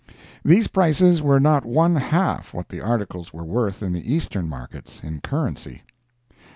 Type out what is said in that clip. These prices were not one half what the articles were worth in the Eastern markets—in currency.